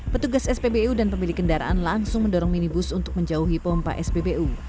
petugas spbu dan pemilik kendaraan langsung mendorong minibus untuk menjauhi pompa spbu